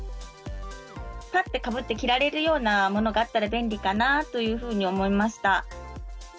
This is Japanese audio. ぱってかぶって着られるようなものがあったら便利かなというふうに思いました。